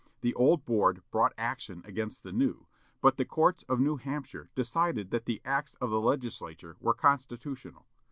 The old board brought action against the new, but the courts of New Hampshire decided that the acts of the Legislature were constitutional.